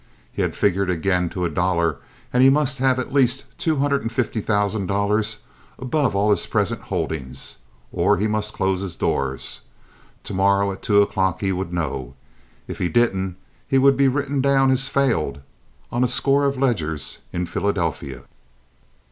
He had figured again, to a dollar, and he must have at least two hundred and fifty thousand dollars above all his present holdings, or he must close his doors. To morrow at two o'clock he would know. If he didn't he would be written down as "failed" on a score of ledgers in Philadelphia.